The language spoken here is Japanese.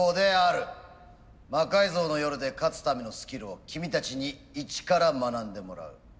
「魔改造の夜」で勝つためのスキルを君たちに一から学んでもらう。